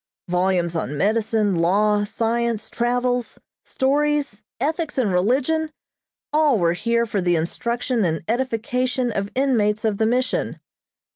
Volumes on medicine, law, science, travels, stories, ethics and religion all were here for the instruction and edification of inmates of the Mission.